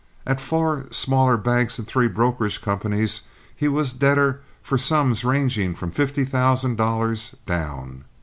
At four smaller banks and three brokerage companies he was debtor for sums ranging from fifty thousand dollars down.